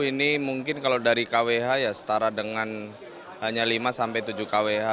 ini mungkin kalau dari kwh ya setara dengan hanya lima sampai tujuh kwh